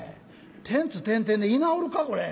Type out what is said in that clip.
『テンツテンテン』で居直るかこれ。